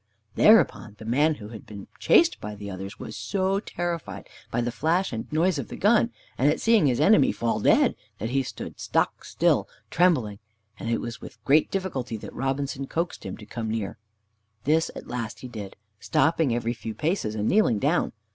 Thereupon the man who had been chased by the others was so terrified by the flash and noise of the gun, and at seeing his enemy fall dead, that he stood stock still, trembling, and it was with great difficulty that Robinson coaxed him to come near. This at last he did, stopping every few paces and kneeling down.